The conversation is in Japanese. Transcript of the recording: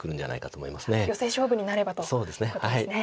ヨセ勝負になればということですね。